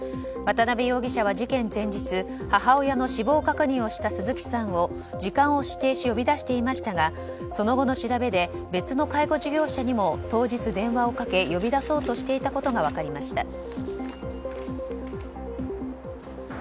渡辺容疑者は事件前日母親の死亡確認をした鈴木さんを時間を指定し呼び出していましたがその後の調べで別の介護事業者にも当日、電話をかけ、呼び出そうとしていたことが分かりました。